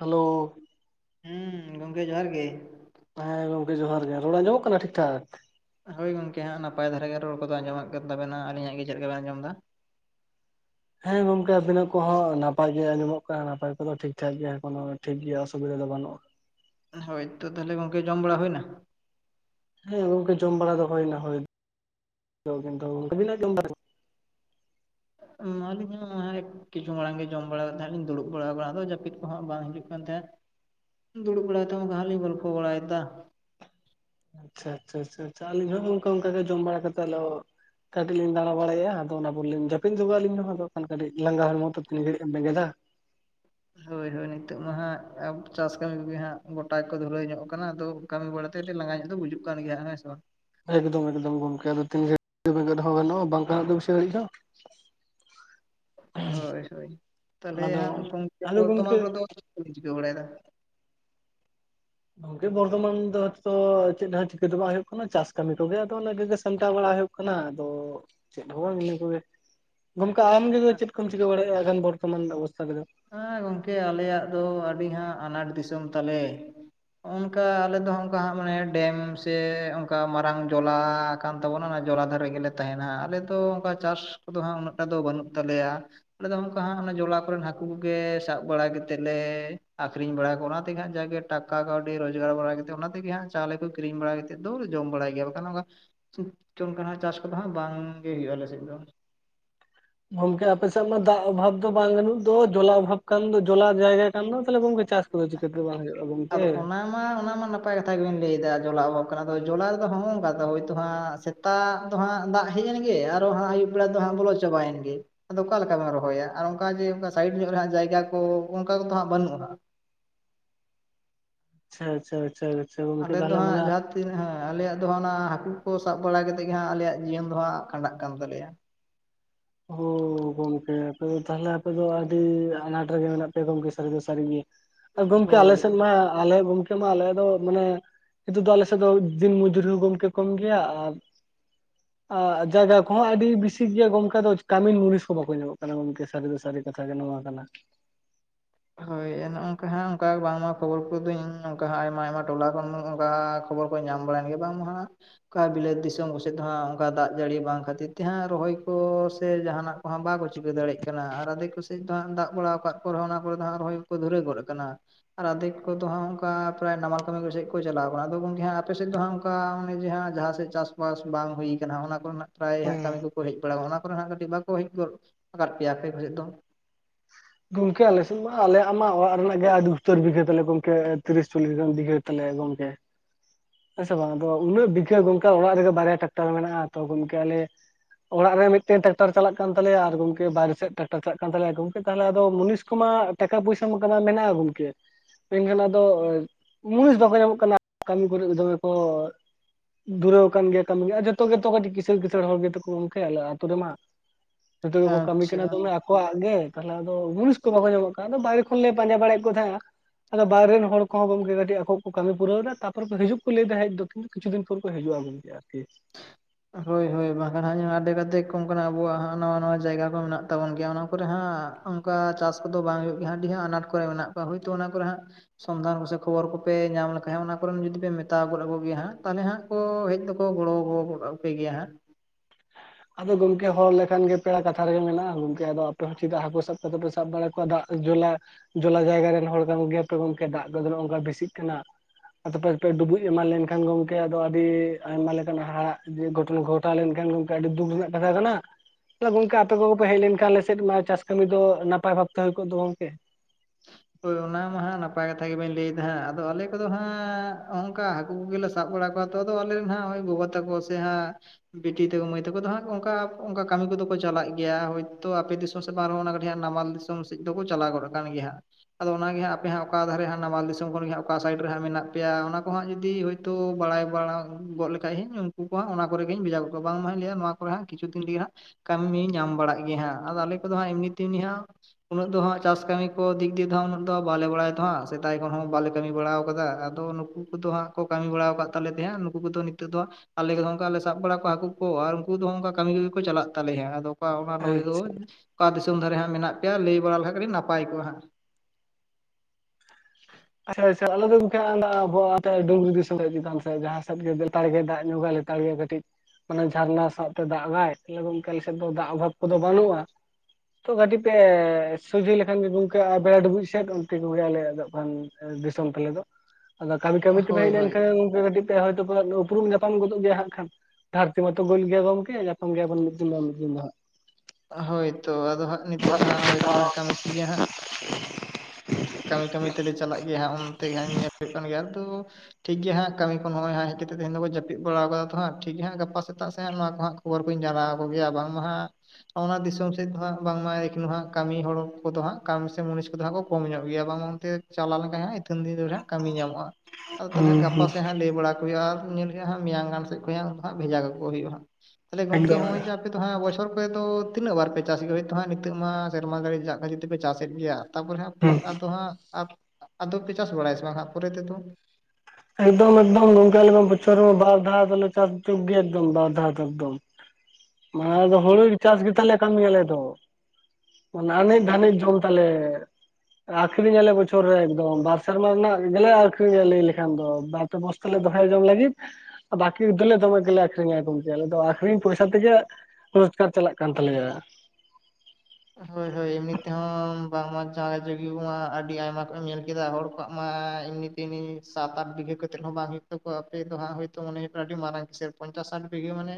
Hello ᱦᱩᱸ ᱜᱚᱢᱠᱮ ᱡᱚᱦᱟᱨ ᱜᱮ᱾ ᱦᱮᱸ ᱜᱚᱝᱠᱮ ᱡᱚᱦᱟᱨ ᱜᱮ ᱨᱚᱲ ᱟᱸᱡᱚᱢᱚᱜ ᱠᱟᱱᱟ ᱴᱷᱤᱠ ᱴᱷᱟᱠ᱾ ᱦᱳᱭ ᱜᱚᱢᱠᱮ ᱦᱟᱸᱜ ᱱᱟᱯᱟᱭ ᱫᱷᱟᱨᱟ ᱜᱮ ᱨᱚᱲ ᱠᱚᱫᱚ ᱟᱸᱡᱚᱢ ᱠᱟᱱ ᱛᱟᱵᱮᱱᱟ ᱟᱹᱞᱤᱧᱟᱜ ᱜᱮ ᱪᱮᱫ ᱞᱮᱠᱟ ᱵᱮᱱ ᱟᱸᱱᱡᱚᱢ ᱫᱟ? ᱦᱮᱸ ᱜᱚᱝᱠᱮ ᱟᱹᱵᱤᱱᱟᱜ ᱠᱚᱦᱚᱸ ᱱᱟᱯᱟᱭ ᱜᱮ ᱟᱸᱡᱚᱢᱚᱜ ᱠᱟᱱᱟ ᱱᱟᱯᱟᱭ ᱠᱚᱫᱚ ᱴᱷᱤᱠ ᱴᱷᱟᱠ ᱜᱮᱭᱟ ᱠᱚᱱᱳ ᱴᱷᱤᱠ ᱜᱮᱭᱟ ᱚᱥᱩᱵᱤᱫᱟ ᱫᱚ ᱵᱟᱹᱱᱩᱜᱼᱟ᱾ ᱦᱳᱭ ᱛᱚ ᱛᱟᱦᱚᱞᱮ ᱜᱚᱝᱠᱮ ᱡᱚᱢ ᱵᱟᱲᱟ ᱦᱩᱭᱱᱟ? ᱦᱮᱸ ᱜᱚᱢᱠᱮ ᱡᱚᱢ ᱵᱟᱲᱟ ᱫᱚ ᱦᱩᱭᱮᱱᱟ ᱦᱩᱭ ᱟᱹᱵᱤᱱᱟᱜ ᱡᱚᱢ ᱵᱟᱲᱟ ᱫᱚᱼᱼ [unintelligible] ᱠᱤᱪᱷᱩ ᱢᱟᱲᱟᱝ ᱜᱮ ᱡᱚᱢ ᱵᱟᱲᱟ ᱛᱟᱦᱮᱸᱫ ᱤᱧ ᱫᱩᱲᱩᱵ ᱵᱟᱲᱟᱼᱟ ᱟᱫᱚ ᱡᱟᱹᱯᱤᱫ ᱠᱚᱦᱚ ᱵᱟᱝ ᱦᱤᱡᱩᱜ ᱠᱟᱱ ᱛᱟᱦᱮᱸᱫ, ᱫᱩᱲᱩᱵ ᱵᱟᱲᱟᱭ ᱛᱮ ᱠᱷᱟᱞᱤ ᱜᱚᱞᱯᱷ ᱵᱟᱲᱟᱭ ᱫᱟ᱾ ᱟᱪᱷᱟ ᱟᱪᱷᱟ ᱟᱪᱷᱟ ᱟᱞᱤᱧ ᱦᱚᱸ ᱚᱱᱠᱟ ᱚᱱᱠᱟ ᱜᱮ ᱡᱚᱢ ᱵᱟᱲᱟ ᱠᱟᱛᱮ ᱟᱞᱚᱼᱼ ᱠᱟᱹᱴᱤᱡ ᱞᱤᱧ ᱫᱟᱲᱟ ᱵᱟᱲᱟᱭᱮᱫ-ᱟ ᱟᱫᱚ ᱚᱱᱟ ᱯᱚᱨᱮ ᱡᱟᱹᱯᱤᱫᱚᱜ ᱠᱟᱜ ᱟᱹᱞᱤᱧ ᱦᱚᱸ ᱟᱫᱟᱱ ᱠᱟᱹᱴᱤᱡ ᱞᱟᱸᱜᱟ ᱦᱚᱲ ᱛᱚ ᱟᱫᱚ ᱛᱤᱱ ᱜᱷᱟᱹᱤᱡ ᱮᱢ ᱵᱮᱸᱜᱮᱫᱟ᱾ ᱦᱳᱭ ᱦᱳᱭ ᱱᱤᱛᱚᱜ ᱢᱟ ᱦᱟᱸᱜ ᱪᱟᱥ ᱠᱟᱹᱢᱤ ᱠᱚᱜᱮ ᱦᱟᱸᱜ ᱜᱚᱴᱟ ᱠᱚ ᱫᱷᱩᱞᱟᱹᱭᱣ ᱧᱚᱜ ᱠᱟᱱᱟ ᱟᱫᱚᱼᱼ ᱠᱟᱹᱢᱤ ᱵᱟᱲᱟ ᱛᱮ ᱠᱟᱹᱴᱤᱡ ᱞᱟᱸᱜᱟ ᱧᱚᱜ ᱫᱚ ᱵᱩᱡᱚᱜ ᱠᱟᱱ ᱜᱮᱭᱟ ᱦᱮᱸᱥᱮ ᱵᱟᱝ? ᱮᱠᱫᱚᱢ ᱮᱠᱫᱚᱢ ᱜᱚᱝᱠᱮ ᱟᱫᱚ ᱛᱤᱨᱮ [unintelligible] ᱜᱟᱱᱚᱜᱼᱟ ᱵᱟᱝ ᱠᱷᱟᱱ ᱟᱫᱚ ᱵᱮᱥᱤ ᱜᱟᱹᱲᱤᱡ ᱦᱚᱸ। [inaudible] ᱦᱳᱭ ᱦᱳᱭ ᱛᱟᱦᱚᱞᱮ ᱟᱫᱚ ᱦᱟᱜ ᱜᱚᱝᱠᱮ ᱟᱫᱚ ᱵᱚᱨᱛᱚ ᱜᱚᱝᱠᱮ ᱢᱟᱱ ᱨᱮᱫᱚ ᱪᱮᱫ ᱠᱚᱢ ᱪᱤᱠᱟᱹ ᱵᱟᱲᱟᱭ ᱮᱫᱟ? ᱜᱚᱝᱠᱮ ᱵᱚᱨᱛᱚᱢᱟᱱ ᱨᱮᱫᱚ ᱪᱮᱫ ᱦᱚᱸ ᱪᱤᱠᱟᱹ ᱫᱚ ᱵᱟᱝ ᱦᱩᱭᱩᱜ ᱠᱟᱱᱟ ᱪᱟᱥ ᱠᱟᱹᱢᱤ ᱠᱚᱜᱮ ᱟᱫᱚ ᱚᱱᱟ ᱠᱚᱜᱮ ᱥᱟᱢᱴᱟᱣ ᱵᱟᱲᱟ ᱦᱩᱭᱩᱜᱼᱼ ᱠᱟᱱᱟ ᱟᱫᱚ ᱪᱮᱫ ᱦᱚᱸ ᱵᱟᱝ ᱤᱱᱟᱹ ᱠᱚᱜᱮ, ᱜᱚᱝᱠᱮ ᱟᱢᱜᱮᱫᱚ ᱪᱮᱫ ᱠᱚᱢ ᱪᱤᱠᱟᱹ ᱵᱟᱲᱟᱭᱮᱜᱼᱟ ᱮᱠᱟᱱ ᱵᱚᱨᱛᱚᱢᱟᱱ ᱚᱵᱚᱥᱛᱟ ᱨᱮᱫᱚ? ᱟᱸ ᱜᱚᱝᱠᱮ ᱟᱞᱮᱭᱟᱜ ᱫᱚ ᱟᱹᱰᱤ ᱦᱟᱸᱜ ᱟᱱᱟᱴ ᱫᱤᱥᱚᱢ ᱛᱟᱞᱮ। ᱦᱚᱜᱝᱠᱟ ᱟᱞᱮᱫᱚ ᱚᱱᱠᱟ ᱦᱟᱜ ᱢᱟᱱᱮ ᱰᱮᱢ ᱥᱮ ᱚᱱᱠᱟ ᱢᱟᱨᱟᱝ ᱡᱚᱞᱟᱼᱼ ᱠᱟᱱ ᱛᱟᱵᱚᱱᱟ ᱚᱱᱟ ᱡᱚᱞᱟ ᱫᱷᱟᱨᱮ ᱜᱮᱞᱮ ᱛᱟᱸᱦᱮᱱᱟ ᱟᱞᱮ ᱫᱚ ᱚᱱᱠᱟ ᱪᱟᱥ ᱠᱚᱫᱚ ᱦᱟᱸᱜ ᱩᱱᱟᱹᱜ ᱴᱟ ᱫᱚ ᱵᱟᱹᱱᱩᱜ ᱛᱟᱞᱮᱭᱟ। ᱟᱞᱮ ᱫᱚ ᱚᱱᱠᱟ ᱚᱱᱟ ᱡᱚᱞᱟ ᱠᱚᱨᱮᱱ ᱦᱟᱠᱩᱼᱼ ᱦᱟᱠᱩ ᱠᱚᱜᱮ ᱥᱟᱵ ᱵᱟᱲᱟ ᱠᱟᱛᱮᱫ ᱞᱮ ᱟᱠᱷᱨᱤᱧ ᱵᱟᱲᱟ ᱠᱚᱣᱟ ᱚᱱᱟᱛᱮᱜᱮ ᱦᱟᱸᱜ ᱡᱟᱜᱮ ᱴᱟᱠᱟ ᱠᱟᱹᱣᱰᱤ ᱨᱳᱡᱽᱜᱟᱨ ᱵᱟᱲᱟ ᱚᱱᱟᱛᱮᱼᱼ ᱛᱮᱜᱮ ᱦᱟᱜ ᱪᱟᱣᱞᱮ ᱠᱚ ᱠᱤᱨᱤᱧ ᱵᱟᱲᱟ ᱠᱟᱛᱮᱫ ᱫᱚᱞᱮ ᱡᱚᱢ ᱵᱟᱲᱟᱭ ᱜᱮᱭᱟ ᱵᱟᱠᱷᱟᱱ ᱚᱱᱠᱟᱼᱼ ᱛᱩᱝ ᱠᱟᱱᱟ ᱦᱟᱜ ᱪᱟᱥ ᱠᱚᱫᱚ ᱦᱟᱸᱜ ᱵᱟᱝᱜᱮ ᱦᱩᱭᱩᱜᱼᱟ ᱟᱞᱮ ᱥᱮᱫ ᱫᱚ। ᱜᱚᱝᱠᱮ ᱟᱯᱮᱥᱮᱫ ᱢᱟ ᱫᱟᱜ ᱚᱵᱷᱟᱵ ᱫᱚ ᱵᱟᱱᱩᱜ ᱫᱚ ᱡᱚᱞᱟ ᱚᱵᱷᱟᱵ ᱠᱟᱱ ᱫᱚ ᱡᱚᱞᱟ ᱡᱟᱭᱜᱟ ᱠᱟᱱ ᱫᱚ ᱛᱟᱦᱚᱞᱮ ᱜᱚᱝᱠᱮ ᱪᱟᱥᱼᱼ ᱠᱚ ᱪᱤᱠᱟᱹᱛᱮ ᱵᱟᱝ ᱦᱩᱭᱩᱜᱼᱟ ᱜᱚᱝᱠᱮ? ᱟᱫᱚ ᱚᱱᱟ ᱢᱟ ᱚᱱᱟ ᱢᱟ ᱱᱟᱯᱟᱭ ᱠᱟᱛᱷᱟ ᱜᱮᱵᱤᱱ ᱞᱟᱹᱭᱮᱫᱟ ᱡᱚᱞᱟ ᱚᱵᱷᱟᱵ ᱠᱟᱱᱟ, ᱡᱚᱞᱟ ᱨᱮᱫᱚ ᱦᱚᱜᱼᱚᱝᱠᱟ ᱦᱳᱭᱛᱳ ᱦᱟᱜᱼᱼ ᱫᱟᱜ ᱫᱚ ᱦᱟᱸᱜ ᱫᱟᱜ ᱦᱮᱡ ᱮᱱᱜᱮ ᱟᱨᱚ ᱦᱟᱸᱜ ᱟᱭᱩᱵ ᱵᱮᱲᱟ ᱫᱚ ᱦᱟᱸᱜ ᱵᱚᱞᱚ ᱪᱟᱵᱟᱭᱮᱱ ᱜᱮ। ᱟᱫᱚ ᱚᱠᱟ ᱞᱮᱠᱟ ᱵᱮᱱ ᱨᱚᱦᱚᱭᱟ ᱟᱨ ᱚᱱᱠᱟ ᱡᱮ ᱚᱱᱠᱟ ᱥᱟᱭᱤᱰ ᱧᱚᱜ ᱨᱮ ᱦᱟᱸᱜ ᱡᱟᱭᱜᱟ ᱠᱚ ᱚᱱᱠᱟ ᱠᱚᱫᱚ ᱦᱟᱸᱜ ᱵᱟᱹᱱᱩᱜᱼᱟ। ᱟᱪᱷᱟ ᱟᱪᱷᱟ। ᱪᱷᱟ ᱪᱷᱟᱣᱼᱼ ᱟᱞᱮ ᱫᱚ ᱦᱟᱸᱜ ᱡᱟᱸᱦᱟᱼᱼ ᱛᱤ ᱦᱮᱸ ᱟᱞᱮᱭᱟᱜ ᱫᱚ ᱦᱟᱸᱜ ᱚᱱᱟ ᱦᱟᱹᱠᱩ ᱠᱚ ᱥᱟᱵ ᱵᱟᱲᱟ ᱠᱟᱛᱮᱜ ᱜᱮ ᱦᱟᱸᱜ ᱟᱞᱮᱭᱟᱜ ᱡᱤᱭᱚᱱ ᱫᱚ ᱦᱟᱸᱜ ᱠᱷᱟᱸᱰᱟᱜ ᱠᱟᱱ ᱛᱟᱞᱮᱭᱟ। ᱚ ᱜᱚᱝᱠᱮ ᱟᱯᱮ ᱛᱟᱦᱚᱞᱮ ᱟᱯᱮ ᱫᱚ ᱟᱹᱰᱤ ᱟᱱᱟᱴ ᱨᱮᱜᱮ ᱢᱮᱱᱟᱜ ᱯᱮᱭᱟ ᱜᱚᱢᱠᱮ ᱥᱟᱹᱨᱤ ᱫᱚ ᱥᱟᱹᱨᱤᱜᱮ ᱜᱚᱝᱠᱮ ᱟᱞᱮ ᱦᱳᱭ ᱥᱮᱫ ᱢᱟ ᱟᱞᱮ ᱜᱚᱝᱠᱮ ᱢᱟ ᱟᱞᱮ ᱫᱚ ᱢᱟᱱᱮᱼᱼ ᱱᱤᱛᱚᱜ ᱫᱚ ᱟᱞᱮ ᱥᱮᱫ ᱫᱚ ᱫᱤᱱ ᱢᱚᱡᱩᱨᱤ ᱦᱚᱸ ᱜᱚᱝᱠᱮ ᱠᱚᱢ ᱜᱮᱭᱟ ᱟᱨᱼᱼ ᱡᱟᱭᱜᱟ ᱠᱚ ᱦᱚᱸ ᱟᱹᱰᱤ ᱵᱮᱥᱤ ᱜᱮᱭᱟ ᱜᱚᱝᱠᱮ ᱫᱚ ᱠᱟᱹᱢᱤᱱ ᱢᱩᱱᱤᱥ ᱠᱚ ᱵᱟᱠᱚ ᱧᱟᱢᱚᱜ ᱠᱟᱱᱟ ᱜᱚᱝᱠᱮ ᱥᱟᱹᱨᱤ ᱫᱚ ᱥᱟᱹᱨᱤ ᱠᱟᱛᱷᱟ ᱜᱮ ᱱᱚᱣᱟ ᱠᱟᱱᱟ। ᱦᱳᱭ ᱱᱚᱜ-ᱚ ᱱᱚᱝᱠᱟ ᱦᱟᱸᱜ ᱚᱱᱠᱟ ᱵᱟᱝᱢᱟ ᱠᱷᱚᱵᱚᱨ ᱠᱚᱫᱚᱧ ᱚᱱᱠᱟ ᱟᱭᱢᱟ ᱟᱭᱢᱟ ᱴᱚᱞᱟ ᱠᱷᱚᱱ ᱚᱱᱠᱟ ᱠᱷᱚᱵᱚᱨ ᱠᱚ ᱧᱟᱢ ᱵᱟᱲᱟ ᱜᱮ ᱵᱟᱝ ᱢᱟ ᱦᱟᱸᱜ ᱚᱠᱟ ᱵᱤᱞᱟᱹᱛ ᱫᱤᱥᱚᱢ ᱠᱚᱥᱮᱫ ᱫᱚ ᱦᱟᱸᱜ ᱚᱱᱠᱟ ᱫᱟᱜ ᱡᱟᱹᱲᱤ ᱵᱟᱝ ᱠᱷᱟᱹᱛᱤᱨ ᱛᱮ ᱦᱟᱸᱜ ᱨᱚᱦᱚᱭ ᱠᱚ ᱥᱮ ᱡᱟᱸᱦᱟᱱᱟᱜ ᱦᱚᱸ ᱵᱟᱠᱚ ᱪᱤᱠᱟᱹ ᱫᱟᱲᱮᱭᱟᱜ ᱠᱟᱱᱟ, ᱟᱨ ᱟᱫᱮᱠ ᱠᱚᱥᱮᱡ ᱫᱚ ᱦᱟᱸᱜ ᱫᱟᱜ ᱵᱟᱲᱟᱣ ᱟᱠᱟᱫ ᱠᱚ ᱨᱮ ᱦᱚᱸ ᱚᱱᱟ ᱚᱰᱮ ᱫᱚ ᱦᱟᱸᱜ ᱨᱚᱦᱚᱭ ᱠᱚ ᱠᱚ ᱫᱷᱩᱨᱟᱹᱭ ᱜᱚᱫ ᱟᱠᱟᱱᱟ ᱟᱨ ᱟᱫᱷᱮᱠ ᱠᱚ ᱦᱟᱸᱜ ᱚᱱᱠᱟ ᱯᱨᱟᱭ ᱱᱟᱢᱟᱞ ᱠᱟᱹᱢᱤ ᱠᱚ ᱥᱮᱫ ᱠᱚ ᱪᱟᱞᱟᱣ ᱠᱟᱱᱟ ᱟᱫᱚ ᱜᱚᱝᱠᱮ ᱦᱟᱸᱜ ᱟᱯᱮᱥᱮᱫ ᱫᱚ ᱦᱟᱸᱜ ᱟ ᱚᱱᱮ ᱡᱮ ᱡᱟᱸᱦᱟ ᱥᱮᱫ ᱪᱟᱥᱵᱟᱥ ᱵᱟᱝ ᱦᱩᱭ ᱟᱠᱟᱱᱟ ᱚᱱᱟ ᱠᱚᱨᱮᱱᱟᱜ ᱯᱨᱟᱭ ᱦᱟᱸᱜ ᱠᱟᱹᱢᱤ ᱠᱚᱠᱚ ᱦᱮᱡ ᱵᱟᱲᱟᱣᱼᱟ, ᱚᱱᱟ ᱠᱚᱨᱮ ᱦᱟᱸᱜ ᱠᱟᱹᱴᱤᱡ ᱵᱟᱠᱚ ᱦᱮᱡ ᱜᱚᱫ ᱟᱠᱟᱫ ᱯᱮᱭᱟ ᱟᱯᱮ ᱠᱚᱥᱮᱡ ᱫᱚ? ᱜᱚᱝᱠᱮ ᱟᱞᱮ ᱥᱮᱫ ᱢᱟ ᱟᱞᱮᱭᱟᱜ ᱢᱟᱜ ᱚᱲᱟᱜ ᱨᱮᱱᱟᱜ ᱜᱮ ᱟᱹᱰᱤ ᱩᱛᱟᱹᱨ ᱵᱤᱜᱷᱟᱹ ᱛᱟᱞᱮ ᱜᱚᱝᱠᱮ ᱛᱤᱨᱤᱥ ᱪᱚᱞᱞᱤᱥ ᱜᱟᱱ ᱵᱤᱜᱷᱟᱹ ᱛᱟᱞᱮ ᱜᱚᱝᱠᱮ। [inaudible] ᱦᱮᱸᱥᱮ ᱵᱟᱝ ᱟᱫᱚ ᱩᱱᱟᱹᱜ ᱵᱤᱜᱷᱟᱹ ᱜᱚᱝᱠᱮ ᱚᱲᱟᱜ ᱨᱮᱜᱮ ᱵᱟᱨᱭᱟ ᱴᱨᱟᱠᱴᱟᱨ ᱢᱮᱱᱟᱜᱼᱟ, ᱛᱚ ᱜᱚᱝᱠᱮ ᱟᱞᱮ ᱚᱲᱟᱜ ᱨᱮ ᱢᱤᱫᱴᱮᱱ ᱴᱨᱟᱠᱴᱟᱨ ᱪᱟᱞᱟᱜ ᱠᱟᱱ ᱛᱟᱞᱮᱭᱟ, ᱟᱨ ᱜᱚᱝᱠᱮ ᱵᱟᱭᱨᱮ ᱥᱮᱫ ᱴᱨᱟᱠᱴᱟᱨ ᱪᱟᱞᱟᱜ ᱠᱟᱱ ᱛᱟᱞᱮᱭᱟ ᱜᱚᱝᱠᱮ ᱛᱟᱦᱚᱞᱮ ᱟᱫᱚ ᱢᱩᱱᱤᱥ ᱠᱚᱢᱟ ᱴᱟᱠᱟ ᱯᱚᱭᱥᱟ ᱠᱚᱢᱟ ᱢᱮᱱᱟᱜᱼᱟ ᱜᱚᱢᱠᱮ। ᱢᱮᱱᱠᱷᱟᱱ ᱟᱫᱚ ᱢᱩᱱᱤᱥ ᱵᱟᱠᱚ ᱧᱟᱢᱚᱜ ᱠᱟᱱᱟ, ᱠᱟᱹᱢᱤ ᱠᱚᱨᱮ ᱫᱚᱢᱮ ᱠᱚ ᱫᱷᱩᱨᱟᱹᱣ ᱟᱠᱟᱱ ᱜᱮᱭᱟ ᱠᱟᱹᱢᱤ ᱜᱮ ᱟᱨ ᱡᱚᱛᱚ ᱜᱮᱛᱚ ᱠᱟᱹᱴᱤᱡ ᱠᱤᱥᱟᱹᱬ ᱠᱤᱥᱟᱹᱬ ᱦᱚᱲ ᱜᱮᱛᱚ ᱠᱚ ᱚᱱᱠᱟᱭᱮᱫ ᱞᱮᱭᱟ ᱟᱹᱛᱩ ᱨᱮᱢᱟ। ᱡᱚᱛᱚ ᱜᱮᱠᱚ ᱠᱟᱹᱢᱤ ᱟᱪᱪᱷᱟ ᱠᱟᱱᱟ ᱫᱚᱢᱮ ᱟᱠᱚᱣᱟᱜ ᱜᱮ। ᱛᱟᱦᱚᱞᱮ ᱟᱫᱚ ᱢᱩᱱᱤᱥ ᱠᱚ ᱵᱟᱠᱚ ᱧᱟᱢᱚᱜ ᱠᱟᱱᱟ ᱟᱫᱚ ᱵᱟᱭᱨᱮ ᱠᱷᱚᱱ ᱞᱮ ᱯᱟᱸᱡᱟ ᱵᱟᱲᱟᱭᱮᱫ ᱠᱚ ᱛᱟᱦᱮᱜᱼᱟ। ᱟᱫᱚ ᱵᱟᱭᱨᱮ ᱨᱮᱱ ᱦᱚᱲ ᱠᱚᱦᱚᱸ ᱜᱚᱢᱠᱮ ᱠᱟᱹᱴᱤᱡ ᱟᱠᱚ ᱠᱚ ᱠᱟᱹᱢᱤ ᱯᱩᱨᱟᱹᱣ ᱮᱫᱟ ᱛᱟᱨᱯᱚᱨ ᱠᱚ ᱦᱤᱡᱩᱜ ᱠᱚ ᱞᱟᱹᱭᱮᱫᱟ, ᱦᱮᱡ ᱫᱚ ᱤᱱ ᱠᱤᱪᱷᱩ ᱫᱤᱱ ᱯᱚᱨ ᱠᱚ ᱦᱤᱡᱩᱜᱼᱟ ᱜᱚᱢᱠᱮ। ᱟᱨ ᱠᱤ ᱦᱳᱭ ᱦᱳᱭ ᱵᱟᱝᱠᱷᱟᱱ ᱦᱟᱸᱜ ᱟᱰᱮ ᱜᱟᱛᱮ ᱠᱚ ᱚᱱᱠᱟᱱᱟᱜ ᱟᱵᱚᱣᱟᱜ ᱦᱟᱸᱜ ᱱᱟᱣᱟ ᱱᱟᱣᱟ ᱡᱟᱭᱜᱟ ᱠᱚ ᱢᱮᱱᱟᱜ ᱛᱟᱵᱚᱱ ᱜᱮᱭᱟ ᱚᱱᱟ ᱠᱚᱨᱮ ᱦᱟᱸᱜᱼᱼ ᱚᱱᱠᱟ ᱪᱟᱥ ᱠᱚᱫᱚ ᱵᱟᱝ ᱦᱩᱭᱩᱜ ᱜᱮᱭᱟ ᱟᱹᱰᱤ ᱟᱱᱟᱴ ᱠᱚᱨᱮ ᱢᱮᱱᱟᱜ ᱠᱚᱣᱟ ᱦᱚᱭᱛᱳ ᱚᱱᱟ ᱠᱚᱨᱮ ᱦᱟᱸᱜ ᱥᱚᱱᱫᱷᱟᱱ ᱠᱚᱥᱮ ᱠᱷᱚᱵᱚᱨ ᱠᱚᱯᱮ ᱧᱟᱢ ᱞᱮᱠᱷᱟᱡ ᱚᱱᱟ ᱠᱚᱨᱮᱱ ᱡᱩᱫᱤ ᱯᱮ ᱢᱮᱛᱟᱣ ᱜᱚᱫ ᱟᱠᱚ ᱜᱮᱭᱟ ᱦᱟᱸᱜ ᱛᱟᱦᱚᱞᱮ ᱦᱟᱸᱜ ᱠᱚ ᱦᱮᱡ ᱫᱚᱠᱚ ᱜᱚᱲᱚ ᱜᱚᱫ ᱟᱯᱮ ᱜᱮᱭᱟ ᱦᱟᱸᱜ। ᱟᱫᱚ ᱜᱚᱝᱠᱮ ᱦᱚᱲ ᱞᱮᱠᱟᱱ ᱜᱮ ᱯᱮᱲᱟ ᱠᱟᱛᱷᱟ ᱨᱮᱜᱮ ᱢᱮᱱᱟᱜ-ᱟ, ᱜᱚᱢᱠᱮ ᱟᱫᱚ ᱟᱯᱮ ᱦᱚᱸ ᱪᱮᱫᱟᱜ ᱦᱟᱠᱩ ᱥᱟᱵ ᱠᱟᱛᱮ ᱯᱮ ᱥᱟᱵ ᱵᱟᱲᱟ ᱠᱚᱣᱟ ᱫᱟᱜ ᱡᱚᱞᱟᱼᱼ ᱡᱚᱞᱟ ᱡᱟᱭᱜᱟ ᱨᱮᱱ ᱦᱚᱲ ᱠᱟᱱ ᱜᱮᱭᱟᱯᱮ ᱜᱚᱝᱠᱮ ᱫᱟᱜ ᱠᱚᱫᱚ ᱱᱚᱜᱼᱚ ᱱᱚᱝᱠᱟ ᱵᱮᱥᱤᱜ ᱠᱟᱱᱟ ᱾ ᱟᱫᱚ ᱯᱮ ᱰᱩᱵᱩᱡ ᱮᱢᱟᱱ ᱞᱮᱱᱠᱷᱟᱱ ᱜᱚᱝᱠᱮ ᱟᱫᱚ ᱟᱹᱰᱤ ᱟᱭᱢᱟ ᱞᱮᱠᱟᱱᱟᱜ ᱦᱟᱲᱟᱜ ᱜᱷᱚᱴᱚᱱᱟ ᱜᱷᱚᱴᱟᱣ ᱞᱮᱱᱠᱷᱟᱱ ᱜᱚᱝᱠᱮᱼᱼ ᱟᱰᱤ ᱫᱩᱠ ᱨᱮᱱᱟᱜ ᱠᱟᱛᱷᱟ ᱠᱟᱱᱟ ᱾ ᱟᱫᱚ ᱜᱚᱝᱠᱮ ᱟᱯᱮ ᱠᱚᱜᱮ ᱯᱮ ᱦᱮᱡ ᱞᱮᱱᱠᱷᱟᱱ ᱟᱞᱮᱥᱮᱫ ᱢᱟ ᱪᱟᱥ ᱠᱟᱹᱢᱤ ᱫᱚ ᱱᱟᱯᱟᱭ ᱵᱷᱟᱵᱽᱛᱮ ᱦᱩᱭ ᱠᱚᱜ ᱫᱚ ᱜᱚᱝᱠᱮ ᱾ [unintelligible] ᱦᱳᱭ ᱚᱱᱟ ᱢᱟ ᱦᱟᱸᱜ ᱱᱟᱯᱟᱭ ᱠᱟᱛᱷᱟ ᱜᱮ ᱵᱮᱱ ᱞᱟᱹᱭᱮᱫ ᱦᱟᱸᱜ ᱟᱫᱚ ᱟᱞᱮ ᱠᱚᱫᱚ ᱦᱟᱸᱜ ᱚᱱᱠᱟ ᱦᱟᱹᱠᱩ ᱠᱚᱜᱮ ᱞᱮᱼᱼ ᱥᱟᱵ ᱵᱟᱲᱟ ᱠᱚᱣᱟ ᱛᱚ ᱫᱚ ᱟᱞᱮ ᱫᱚ ᱦᱟᱸᱜ, ᱳᱭ ᱜᱚᱜᱚ ᱛᱟᱠᱚ ᱥᱮ ᱦᱟᱸᱜᱼᱼ ᱵᱤᱴᱤ ᱛᱟᱠᱚ ᱢᱟᱹᱭ ᱛᱟᱠᱚ ᱫᱚ ᱦᱟᱸᱜ ᱚᱱᱠᱟ, ᱚᱱᱠᱟ ᱠᱟᱹᱢᱤ ᱠᱚᱫᱚ ᱠᱚ ᱪᱟᱞᱟᱜ ᱜᱮᱭᱟ, ᱦᱚᱭᱛᱳ ᱟᱯᱮ ᱫᱤᱥᱼᱼ ᱫᱤᱥᱚᱢ ᱥᱮ ᱵᱟᱝ ᱦᱚᱸ ᱚᱱᱟ ᱠᱟᱹᱴᱤᱡ ᱱᱟᱢᱟᱞ ᱫᱤᱥᱚᱢ ᱥᱮᱫ ᱫᱚᱠᱚ ᱪᱟᱞᱟ ᱜᱚᱫ ᱠᱟᱱ ᱜᱮᱭᱟ ᱾ ᱟᱫᱚ ᱚᱱᱟᱜᱮ ᱦᱟᱸᱜ ᱟᱯᱮ ᱦᱟᱸᱜ ᱚᱠᱟ ᱫᱷᱟᱨᱮ ᱦᱟᱸᱜ, ᱱᱟᱢᱟᱞ ᱫᱤᱥᱚᱢ ᱠᱷᱚᱱ ᱜᱮ ᱦᱟᱸᱜ ᱚᱠᱟ ᱥᱟᱭᱤᱴ ᱨᱮ ᱦᱟᱸᱜ ᱢᱮᱱᱟᱜ ᱯᱮᱭᱟ ᱚᱱᱟ ᱠᱚ ᱦᱟᱸᱜ ᱡᱩᱫᱤᱼᱼ ᱛᱚ ᱵᱟᱲᱟᱭ ᱵᱟᱲᱟ ᱜᱚᱫ ᱞᱮᱠᱷᱟᱡ ᱤᱧ ᱩᱱᱠᱩ ᱠᱚ ᱦᱟᱸᱜ ᱚᱱᱟ ᱠᱚᱨᱮ ᱜᱤᱧ ᱵᱷᱮᱡᱟᱣ ᱜᱚᱫ ᱠᱚᱣᱟ ᱵᱟᱝ ᱢᱟᱧ ᱞᱟᱹᱭᱟ ᱱᱚᱣᱟ ᱠᱚᱨᱮ ᱦᱟᱸᱜ ᱠᱤᱪᱷᱩ ᱫᱤᱱ ᱨᱮᱜᱮ ᱦᱟᱸᱜᱼᱼ ᱠᱟᱢᱤ ᱧᱟᱢ ᱵᱟᱲᱟᱜ ᱜᱮᱭᱟ ᱦᱟᱸᱜ ᱟᱫᱚ ᱟᱞᱮ ᱠᱚᱫᱚ ᱦᱟᱸᱜ ᱮᱢᱱᱤ ᱛᱮᱢᱱᱤ ᱦᱟᱸᱜ, ᱩᱱᱟᱹᱜ ᱫᱚ ᱦᱟᱸᱜ ᱪᱟᱥ ᱠᱟᱹᱢᱤ ᱠᱚ ᱫᱤᱠᱼᱼ ᱫᱤ ᱩᱱᱟᱹᱜ ᱫᱚ ᱵᱟᱞᱮ ᱵᱟᱲᱟᱭᱟ ᱛᱚ ᱦᱟᱸᱜ ᱥᱮᱫᱟᱭ ᱠᱷᱚᱱ ᱦᱚᱸ ᱵᱟᱞᱮ ᱠᱟᱹᱢᱤ ᱵᱟᱲᱟᱣ ᱠᱟᱫᱟ ᱟᱫᱚ ᱱᱩᱠᱩ ᱠᱚᱫᱚ ᱦᱟᱸᱜᱼᱼ ᱠᱚ ᱠᱟᱹᱢᱤ ᱵᱟᱲᱟ ᱟᱠᱟᱫ ᱛᱟᱞᱮ ᱛᱮ ᱦᱟᱸᱜ ᱱᱩᱠᱩ ᱠᱚᱫᱚ ᱱᱤᱛᱚᱜ ᱫᱚᱼᱼ ᱟᱞᱮ ᱠᱚᱫᱚ ᱚᱱᱠᱟ ᱞᱮ ᱥᱟᱵ ᱵᱟᱲᱟ ᱠᱚᱣᱟ ᱦᱟᱹᱠᱩ ᱠᱚ, ᱟᱨ ᱩᱱᱠᱩ ᱫᱚ ᱚᱝᱠᱟ ᱠᱟᱢᱤ ᱠᱚᱜᱮ ᱠᱚ ᱪᱟᱞᱟᱜ ᱛᱟᱞᱮᱭᱟ ᱟᱫᱚᱼᱼ ᱚᱱᱟ ᱱᱩᱭ ᱫᱚ ᱟᱪᱪᱷᱟ ᱚᱠᱟ ᱫᱤᱥᱚᱢ ᱫᱷᱟᱨᱮ ᱦᱟᱸᱜ ᱢᱮᱱᱟᱜ ᱯᱮᱭᱟ ᱞᱟᱹᱭ ᱵᱟᱲᱟ ᱞᱮᱠᱷᱟᱡ ᱠᱟᱹᱴᱤᱡ ᱱᱟᱯᱟᱭ ᱠᱚᱜᱼᱟ ᱦᱟᱸᱜ ᱾ [unintelligible] ᱟᱪᱪᱷᱟ ᱟᱪᱪᱷᱟ ᱟᱞᱮ ᱫᱚ ᱜᱚᱝᱠᱮ ᱟᱵᱚ ᱰᱩᱝᱨᱤ ᱫᱤᱥᱚᱢ ᱨᱮ ᱪᱮᱛᱟᱱ ᱥᱮ ᱡᱟᱦᱟᱸ ᱥᱮᱫ ᱞᱮᱛᱟᱲ ᱜᱮ ᱫᱟᱜ ᱧᱚᱜᱟᱭ ᱾ ᱠᱟᱲᱢᱤ ᱠᱟᱹᱴᱤᱡ ᱢᱟᱱᱮ ᱡᱷᱟᱨᱱᱟ ᱥᱟᱶᱛᱮ ᱫᱟᱜᱟᱭ ᱛᱟᱦᱞᱮ ᱜᱚᱝᱠᱮ ᱟᱞᱮ ᱥᱮᱫ ᱫᱚ ᱫᱟᱜ ᱚᱵᱷᱟᱵ ᱠᱚᱫᱚ ᱵᱟᱹᱱᱩᱜ-ᱟ ᱾ ᱛᱚ ᱜᱟᱹᱰᱤ ᱛᱮ ᱥᱚᱡᱷᱮ ᱞᱮᱠᱷᱟᱱ ᱜᱮ ᱜᱩᱝᱠᱮ ᱵᱮᱲᱟ ᱰᱩᱵᱩᱡ ᱥᱮᱫ ᱚᱱᱛᱮ ᱜᱮ ᱵᱩᱞᱮ ᱟᱞᱮᱭᱟᱜ ᱫᱚ ᱾ ᱫᱤᱥᱚᱢ ᱛᱟᱞᱮ ᱫᱚ ᱟᱫᱚ ᱠᱟᱹᱢᱤ ᱠᱟᱹᱢᱤ ᱛᱮᱢ ᱦᱳᱭ ᱦᱮᱡ ᱦᱳᱭ ᱞᱮᱱᱠᱷᱟᱱ ᱚᱱᱛᱮ ᱠᱟᱹᱴᱤᱡ ᱥᱮ ᱦᱚᱭᱛᱳ ᱩᱯᱨᱩᱢ ᱧᱟᱯᱟᱢ ᱜᱚᱫᱚᱜ ᱜᱮᱭᱟ ᱦᱟᱸᱜ ᱠᱷᱟᱱ ᱾ ᱫᱷᱟᱨᱛᱤ ᱢᱟᱛᱚ ᱜᱳᱞ ᱜᱮᱭᱟ ᱜᱚᱝᱠᱮ ᱧᱟᱯᱟᱢ ᱜᱮᱭᱟ ᱵᱚᱱ ᱢᱤᱫ ᱫᱤᱱ ᱵᱟᱝ ᱢᱤᱫ ᱫᱤᱱ ᱫᱚ ᱦᱟᱸᱜ ᱾ ᱦᱚᱭᱛᱳ ᱟᱫᱚ ᱦᱟᱸᱜ ᱱᱤᱛᱚᱜ ᱫᱚ ᱦᱟᱸᱜ ᱦᱚᱭᱛᱚ ᱠᱟᱹᱢᱤ ᱥᱤᱡᱮ ᱦᱟᱸᱜ ᱾ ᱠᱟᱹᱢᱤ ᱠᱟᱹᱢᱤ ᱛᱮᱞᱮ ᱪᱟᱞᱟᱜ ᱜᱮᱭᱟ ᱦᱟᱸᱜ ᱚᱱᱛᱮ ᱜᱮ ᱦᱟᱸᱜ ᱧᱮᱞ ᱦᱩᱭᱩᱜ ᱠᱟᱱ ᱜᱮᱭᱟ ᱛᱚ ᱴᱷᱤᱠ ᱜᱮᱭᱟ ᱦᱟᱸᱜ ᱠᱟᱹᱢᱤ ᱠᱷᱚᱱ ᱱᱚᱜ-ᱚᱭ ᱦᱟᱸᱜ ᱦᱮᱡ ᱠᱟᱛᱮ ᱛᱮᱦᱮᱧ ᱫᱚ ᱠᱚ ᱡᱟᱹᱯᱤᱫ ᱵᱟᱲᱟ ᱟᱠᱟᱫᱟ ᱛᱚ ᱦᱟᱸᱜ ᱴᱷᱤᱠ ᱜᱮᱭᱟ ᱦᱟᱸᱜ ᱜᱟᱯᱟ ᱥᱮᱛᱟᱜ ᱥᱮ ᱦᱟᱸᱜ ᱱᱚᱣᱟ ᱠᱚ ᱦᱟᱸᱜ ᱠᱷᱚᱵᱚᱨ ᱠᱩᱧ ᱡᱟᱱᱟᱣ ᱟᱠᱚ ᱜᱮᱭᱟ ᱵᱟᱝᱢᱟ ᱦᱟᱸᱜ ᱱᱚᱜᱼᱱᱟ ᱫᱤᱥᱚᱢ ᱥᱮᱫ ᱫᱚ ᱦᱟᱸᱜ ᱵᱟᱝᱢᱟ ᱮᱠᱤᱱ ᱦᱟᱸᱜ ᱠᱟᱹᱢᱤ ᱦᱚᱲ ᱠᱚᱫᱚ ᱦᱟᱸᱜ ᱠᱟᱢ ᱥᱮ ᱢᱩᱱᱤᱥ ᱠᱚᱫᱚ ᱦᱟᱸᱜ ᱠᱚᱢ ᱧᱚᱜ ᱜᱮᱭᱟ ᱵᱟᱝ ᱵᱟᱝ ᱛᱮ ᱪᱟᱞᱟᱣ ᱞᱮᱱᱠᱷᱟᱱ ᱦᱟᱸᱜ ᱤᱛᱷᱟᱹᱱ ᱫᱤᱱ ᱦᱟᱸᱜ ᱠᱟᱹᱢᱤ ᱧᱟᱢᱚᱜ-ᱟ ᱟᱫᱚ ᱛᱟᱦᱞᱮ ᱦᱩᱸ ᱜᱟᱯᱟ ᱦᱩᱸ ᱥᱮᱜ ᱦᱟᱸᱜ ᱞᱟᱹᱭ ᱵᱟᱲᱟ ᱦᱩᱭᱩᱜ-ᱟ ᱟᱨ ᱧᱮᱞ ᱜᱮ ᱦᱟᱸᱜ ᱢᱮᱭᱟᱝ ᱜᱟᱱ ᱥᱮᱫ ᱠᱷᱚᱭᱟᱜ ᱦᱟᱸᱜ ᱵᱷᱮᱡᱟ ᱠᱟᱠᱚ ᱦᱩᱭᱩᱜ-ᱟ ᱾ ᱛᱟᱦᱞᱮ ᱜᱚᱝᱠᱮ ᱮᱠᱫᱚᱢ ᱦᱚᱸᱜ-ᱚᱭ ᱡᱮ ᱡᱟᱦᱟᱸ ᱟᱯᱮ ᱫᱚ ᱦᱟᱸᱜ ᱵᱚᱪᱷᱚᱨ ᱨᱮ ᱫᱚ ᱛᱤᱱᱟᱹᱜ ᱵᱟᱨ ᱯᱮ ᱪᱟᱥ ᱜᱮᱭᱟ ᱢᱤᱫ ᱫᱷᱟᱣ ᱱᱤᱛᱚᱜ ᱢᱟ ᱥᱮᱨᱢᱟ ᱡᱟᱹᱲᱤ ᱡᱟᱜ ᱠᱚ ᱡᱩᱫᱤ ᱯᱮ ᱪᱟᱥᱮᱫ ᱜᱮᱭᱟ ᱛᱟᱯᱚᱨᱮ ᱦᱟᱸᱜ ᱦᱩᱸ ᱟᱫᱚ ᱦᱟᱸᱜ ᱟᱫᱚ ᱯᱮ ᱪᱟᱥ ᱵᱟᱲᱟᱭᱟ ᱥᱮ ᱵᱟᱝ ᱦᱟᱸᱜ ᱯᱚᱨᱮ ᱛᱮᱫᱚ ᱾ ᱮᱠᱫᱚᱢ ᱮᱠᱫᱚᱢ ᱜᱚᱝᱠᱮ ᱟᱞᱮ ᱫᱚ ᱵᱚᱪᱷᱚᱨ ᱨᱮ ᱵᱟᱨ ᱫᱷᱟᱣ ᱫᱚᱞᱮ ᱪᱟᱥ ᱮᱜ ᱜᱮᱭᱟ ᱛᱚ ᱵᱟᱨ ᱫᱷᱟᱣ ᱫᱚ ᱾ ᱢᱟᱱᱮ ᱫᱚ ᱦᱳᱲᱳ ᱪᱟᱥ ᱜᱮ ᱛᱟᱞᱮ ᱠᱟᱹᱢᱤ ᱟᱞᱮ ᱫᱚ ᱾ ᱚᱱᱟ ᱟᱱᱮᱡ ᱫᱷᱟᱱᱮᱡ ᱡᱚᱢ ᱛᱟᱞᱮ ᱾ ᱟᱹᱠᱷᱨᱤᱧᱟᱞᱮ ᱵᱚᱪᱷᱚᱨ ᱨᱮ ᱮᱠᱫᱚᱢ ᱵᱟᱨ ᱥᱮᱨᱢᱟ ᱨᱮᱱᱟᱜ ᱜᱮᱞᱮ ᱟᱹᱠᱷᱨᱤᱧᱟ ᱞᱟᱹᱭ ᱞᱮᱠᱷ ᱮᱠᱷᱟᱱ ᱫᱚ ᱵᱟᱨ ᱯᱮ ᱵᱚᱥᱛᱟ ᱞᱮ ᱫᱚᱦᱚᱭᱟ ᱡᱚᱢ ᱞᱟᱹᱜᱤᱫ ᱵᱟᱠᱤ ᱫᱚᱞᱮ ᱫᱚᱢᱮ ᱜᱮᱞᱮ ᱟᱹᱠᱷᱨᱤᱧᱟ ᱜᱚᱢᱠᱮ ᱟᱞᱮ ᱫᱚ ᱟᱹᱠᱷᱨᱤᱧ ᱯᱚᱭᱥᱟ ᱛᱮᱜᱮ ᱨᱚᱡᱽᱜᱟᱨ ᱪᱟᱞᱟᱜ ᱠᱟᱱ ᱛᱟᱞᱮᱭᱟ ᱾ ᱦᱚᱭ ᱦᱚᱭ ᱮᱢᱱᱤ ᱛᱮᱦᱚᱸ ᱵᱟᱝᱢᱟ ᱡᱟᱭ ᱡᱩᱜᱤ ᱠᱚ ᱢᱟ ᱟᱹᱰᱤ ᱟᱭᱢᱟ ᱠᱚ ᱧᱮᱞ ᱠᱮᱫᱟ ᱦᱚᱲ ᱠᱚᱣᱟᱜ ᱢᱟ ᱮᱢᱱᱤ ᱛᱤᱱᱤᱝ ᱥᱟᱛ ᱟᱴ ᱵᱤᱜᱷᱟᱹ ᱠᱟᱛᱮᱫ ᱦᱚᱸ ᱵᱟᱝ ᱦᱩᱭᱩᱜ ᱛᱟᱠᱚᱣᱟ ᱟᱯᱮ ᱫᱚ ᱦᱟᱸᱜ ᱦᱚᱭᱛᱚ ᱢᱚᱱᱮᱭᱟᱯᱮ ᱟᱹᱰᱤ ᱢᱟᱨᱟᱝ ᱥᱮ ᱯᱚᱧᱪᱟᱥ ᱥᱟᱴ ᱵᱤᱜᱷᱟᱹ ᱢᱟᱱᱮ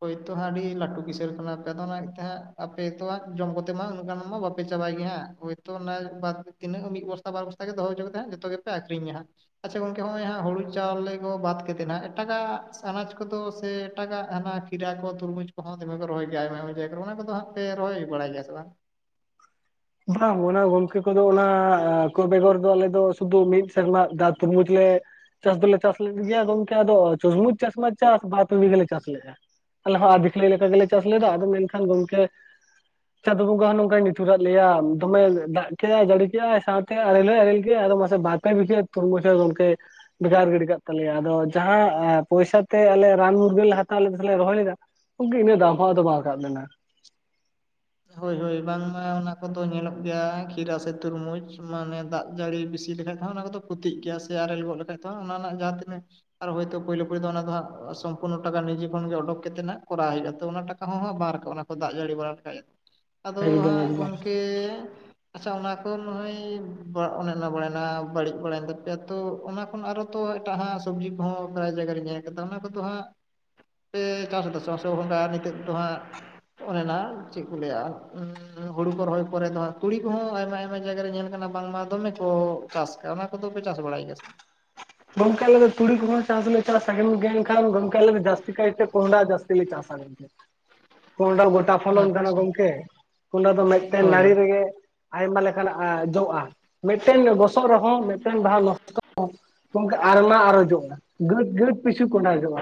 ᱦᱚᱭ ᱛᱚ ᱦᱟᱸᱜ ᱟᱹᱰᱤ ᱞᱟᱹᱴᱩ ᱠᱤᱥᱟᱹᱬ ᱠᱟᱱᱟ ᱯᱮ ᱟᱫᱚ ᱚᱱᱟ ᱛᱮ ᱦᱟᱸᱜ ᱟᱯᱮ ᱛᱚᱼᱼ ᱡᱚᱢ ᱠᱚᱛᱮ ᱢᱟ ᱩᱱᱟᱹᱜ ᱜᱟᱱ ᱢᱟ ᱵᱟᱯᱮ ᱪᱟᱵᱟᱭ ᱜᱮᱭᱟ ᱦᱟᱸᱜ ᱦᱚᱭᱛᱚ ᱚᱱᱟ ᱛᱤᱱᱟᱹᱜ ᱢᱤᱫ ᱵᱚᱥᱛᱟ ᱵᱟᱨ ᱵᱚᱥ ᱛᱟ ᱜᱮ ᱫᱚᱦᱚ ᱦᱚᱪᱚ ᱠᱟᱛᱮ ᱦᱟᱸᱜ ᱡᱚᱛᱚ ᱜᱮᱯᱮ ᱟᱹᱠᱷᱨᱤᱧᱟ ᱦᱟᱸᱜ ᱾ ᱟᱪᱪᱷᱟ ᱜᱚᱝᱠᱮ ᱦᱚᱸᱜ-ᱚᱭ ᱦᱟᱸᱜ ᱦᱳᱲᱳ ᱪᱟᱣᱞᱮ ᱠᱚ ᱵᱟᱫᱽ ᱠᱟᱛᱮᱫ ᱦᱟᱸᱜ ᱮᱴᱟᱜᱟᱜ ᱟᱱᱟᱡᱽ ᱠᱚᱫᱚ ᱥᱮ ᱮᱴᱟᱜᱟᱜ ᱟᱱᱟ ᱠᱷᱤᱨᱟ ᱠᱚ ᱛᱩᱨᱵᱩᱡᱽ ᱠᱚᱦᱚᱸ ᱫᱚᱢᱮ ᱠᱚ ᱨᱚᱦᱚᱭ ᱜᱮᱭᱟ ᱟᱭᱢᱟ ᱟᱭᱢᱟ ᱡᱟᱭᱜᱟ ᱨᱮ ᱚᱱᱟ ᱠᱚᱫᱚ ᱦᱟᱸᱜ ᱯᱮ ᱨᱚᱦᱚᱭ ᱵᱟᱲᱟᱭ ᱜᱮᱭᱟ ᱥᱮ ᱵᱟᱝ? ᱵᱟᱝ ᱚᱱᱟ ᱜᱚᱝᱠᱮ ᱠᱚᱫᱚ ᱚᱱᱟ ᱠᱚ ᱵᱮᱜᱚᱨ ᱫᱚ ᱟᱞᱮ ᱫᱚ ᱥᱩᱫᱷᱩ ᱢᱤᱫ ᱥᱮᱨᱢᱟ ᱫᱟᱜ ᱛᱩᱨᱵᱩᱡᱽ ᱞᱮ ᱪᱟᱥ ᱫᱚᱞᱮ ᱪᱟᱥ ᱞᱮᱫ ᱜᱮᱭᱟ ᱜᱚᱝᱠᱮ ᱟᱫᱚ ᱛᱩᱨᱢᱩᱡᱽ ᱪᱟᱥ ᱢᱟ ᱪᱟᱥ ᱵᱟᱨ ᱯᱮ ᱵᱤᱜᱷᱟᱹ ᱞᱮ ᱪᱟᱥ ᱞᱮᱜ-ᱟ ᱾ ᱟᱞᱮ ᱦᱚᱸ ᱟᱫᱷᱤᱠᱷᱞᱟᱹ ᱞᱮᱠᱟ ᱜᱮᱞᱮ ᱪᱟᱥ ᱞᱮᱫᱟ ᱟᱫᱚ ᱢᱮᱱᱠᱷᱟᱱ ᱜᱚᱝᱠᱮ ᱪᱟᱸᱫᱚ ᱵᱚᱸᱜᱟ ᱦᱚᱸ ᱱᱚᱝᱠᱟᱭ ᱱᱤᱴᱷᱩᱨᱟ ᱞᱟᱹᱭᱟ ᱫᱚᱢᱮ ᱫᱟᱜ ᱠᱮᱜᱼᱟᱭ ᱡᱟᱹᱲᱤ ᱠᱮᱜᱼᱟᱭ ᱥᱟᱶᱛᱮ ᱟᱨᱮᱞ ᱦᱚᱭ ᱟᱨᱮᱞ ᱠᱮᱜᱼᱟᱭ ᱟᱫᱚ ᱢᱟᱥᱮ ᱵᱟᱫ ᱯᱮ ᱵᱤᱜᱷᱟᱹ ᱛᱩᱨᱢᱥ [unintelligible] ᱜᱚᱢᱠᱮ ᱵᱷᱮᱜᱟᱨ ᱜᱤᱰᱤ ᱠᱟᱜ ᱛᱟᱞᱮᱭᱟ ᱟᱫᱚ ᱡᱟᱦᱟᱸ ᱯᱚᱭᱥᱟᱛᱮ ᱟᱞᱮ ᱨᱟᱱ ᱢᱩᱨᱜᱟᱹᱱ ᱞᱮ ᱦᱟᱛᱟᱣ ᱠᱟᱛᱮ ᱞᱮ ᱨᱚᱦᱚᱭ ᱞᱮᱫᱟ [unintelligible] ᱫᱟᱢ ᱦᱚᱸ ᱟᱫᱚ ᱵᱟᱝ ᱨᱟᱠᱟᱵ ᱞᱮᱱᱟ ᱾ ᱦᱚᱭ ᱦᱚᱭ ᱵᱟᱝᱢᱟ ᱚᱱᱟ ᱠᱚᱫᱚ ᱧᱮᱞᱚᱜ ᱜᱮᱭᱟ ᱠᱷᱤᱨᱟ ᱥᱮ ᱛᱩᱨᱢᱩᱡᱽ ᱢᱟᱱᱮ ᱫᱟᱜ ᱡᱟᱹᱲᱤ ᱵᱮᱥᱤ ᱞᱮᱠᱷᱟᱱ ᱚᱱᱟ ᱠᱚᱫᱚ ᱠᱷᱩᱛᱤᱜ ᱜᱮᱭᱟ ᱥᱮ ᱟᱨᱮᱞ ᱜᱚᱜ ᱞᱮᱠᱷᱟᱡ ᱫᱚ ᱦᱟᱸᱜ ᱚᱱᱟ ᱨᱮᱱᱟᱜ ᱡᱟᱦᱟᱸ ᱛᱤᱱᱟᱹᱜ ᱟᱨ ᱦᱚᱭᱛᱳ ᱯᱩᱭᱞᱩ ᱯᱩᱭᱞᱩ ᱫᱚ ᱚᱱᱟ ᱫᱚ ᱦᱟᱸᱜ ᱥᱚᱢᱯᱩᱨᱱᱚ ᱴᱟᱠᱟ ᱱᱤᱡᱮ ᱠᱷᱚᱱ ᱜᱮ ᱚᱰᱚᱠ ᱠᱟᱛᱮᱫ ᱱᱷᱟᱜ ᱠᱚᱨᱟᱣ [unintelligible] ᱾ ᱛᱚ ᱚᱱᱟ ᱴᱟᱠᱟ ᱦᱚᱸ ᱦᱟᱸᱜ ᱵᱟᱨ ᱨᱟᱠᱟᱵ ᱠᱚ ᱫᱟᱜ ᱡᱟᱹᱲᱤ ᱵᱟᱲᱟ ᱞᱮᱠᱷᱟᱡ ᱮ, ᱟᱫᱚ ᱮᱠᱫᱚᱢ ᱦᱟᱸᱜ ᱮᱠᱫᱚᱢ ᱜᱚᱢᱠᱮ ᱟᱪᱪᱷᱟ ᱚᱱᱟ ᱠᱚ ᱱᱚᱜᱼᱚᱭ ᱚᱱᱮ ᱚᱱᱟ ᱵᱟᱲᱟᱭᱮᱱᱟ ᱵᱟᱹᱲᱤᱡ ᱵᱟᱲᱟᱭᱮᱱ ᱛᱟᱯᱮᱭᱟ ᱛᱚ ᱚᱱᱟ ᱠᱷᱚᱱ ᱟᱨᱦᱚᱸ ᱛᱚ ᱮᱴᱟᱜ ᱦᱟᱸᱜ ᱥᱚᱵᱽᱡᱤ ᱠᱚᱦᱚᱸ ᱯᱨᱟᱭ ᱡᱟᱭᱜᱟ ᱨᱮ ᱧᱮᱞ ᱟᱠᱟᱫᱟ ᱚᱱᱟ ᱠᱚᱫᱚ ᱦᱟᱸᱜ ᱥᱮ ᱪᱟᱥ ᱫᱚ ᱪᱟᱥ [unintelligible] ᱱᱤᱛᱚᱜ ᱫᱚ ᱦᱟᱸᱜ ᱚᱱᱮ ᱱᱟ ᱪᱮᱫ [unintelligible] ᱦᱳᱲᱳ ᱠᱚ ᱨᱚᱦᱚᱭ ᱯᱚᱨᱮ ᱫᱚ ᱦᱟᱸᱜ ᱛᱩᱲᱤ ᱠᱚᱦᱚᱸ ᱟᱭᱢᱟ ᱟᱭᱢᱟ ᱡᱟᱭᱜᱟ ᱨᱮ ᱧᱮᱞ ᱟᱠᱟᱱᱟ ᱵᱟᱝᱢᱟ ᱫᱚᱢᱮ ᱠᱚ ᱪᱟᱥ ᱠᱟᱜᱼᱟ ᱚᱱᱟ ᱠᱚᱫᱚ ᱯᱮ ᱪᱟᱥ ᱵᱟᱲᱟᱭ ᱜᱮᱭᱟ ᱥᱮ ᱵᱟᱝ? ᱜᱚᱢᱠᱮ ᱟᱞᱮ ᱫᱚ ᱛᱩᱲᱤ ᱠᱚᱦᱚᱸ ᱪᱟᱥ ᱞᱮ ᱪᱟᱥᱟ ᱜᱮᱭᱟ ᱮᱱᱠᱷᱟᱱ ᱜᱚᱢᱠᱮ ᱟᱞᱮ ᱡᱟᱹᱥᱛᱤ ᱠᱟᱭᱛᱮ ᱠᱚᱸᱦᱰᱟ ᱡᱟᱹᱥᱛᱤ ᱞᱮ ᱪᱟᱥᱟ ᱾ [inaudible] ᱠᱚᱸᱦᱰᱟ ᱵᱟᱹᱲ ᱛᱟ ᱯᱷᱚᱞᱚᱱ ᱠᱟᱱᱟ ᱟᱪᱪᱷᱟ ᱜᱚᱝᱠᱮ, ᱚᱱᱟ ᱫᱚ ᱢᱮᱜᱴᱮᱱ ᱦᱳᱭ ᱱᱟᱲᱤ ᱦᱳᱭ ᱨᱮᱜᱮ ᱟᱭᱢᱟ ᱞᱮᱠᱟᱱᱟᱜ ᱮᱸ ᱡᱚᱜᱼᱟ᱾ ᱢᱮᱜᱴᱮᱱ ᱜᱚᱥᱚᱜ ᱨᱮᱦᱚᱸ ᱢᱮᱜᱴᱮᱱ ᱵᱟᱦᱟ ᱱᱚᱥᱴᱚ ᱜᱚᱝᱠᱮ, ᱟᱨᱢᱟ ᱟᱨᱚ ᱡᱚᱜᱼᱟ᱾ ᱜᱟᱺᱫ-ᱜᱟᱺᱫ ᱯᱤᱪᱷᱩ ᱠᱚᱸᱰᱟ ᱡᱚᱜᱼᱟ᱾